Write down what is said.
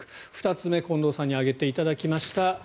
２つ目、近藤さんに挙げていただきました